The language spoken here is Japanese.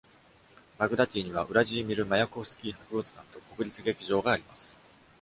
バグダティにはウラジーミル・マヤコフスキー博物館と国立劇場があります。